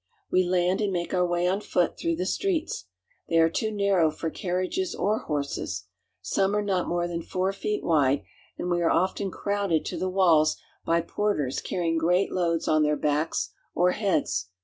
We land and make our way on foot through the streets. They are too narrow for carriages or horses. Some are not more than four feet wide, and we are often crowded to the walls by porters carrying great loads on their backs or heads.